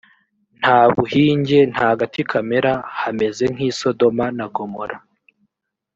nta buhinge, nta gati kamera; hameze nk’i sodoma na gomora,